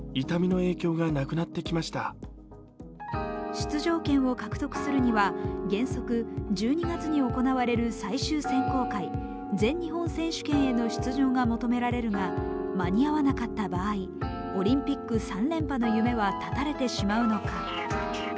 出場権を獲得するには原則、１２月に行われる最終選考会全日本選手権への出場が求められるが間に合わなかった場合、オリンピック３連覇の夢は絶たれてしまうのか。